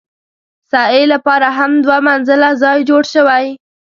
سعې لپاره هم دوه منزله ځای جوړ شوی.